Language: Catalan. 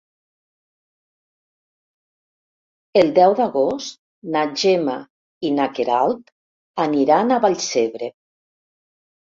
El deu d'agost na Gemma i na Queralt aniran a Vallcebre.